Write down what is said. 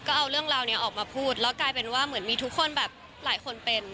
ก็เอาเรื่องราวนี้ออกมาพูดแล้วกลายเป็นว่าเหมือนมีทุกคนแบบหลายคนเป็น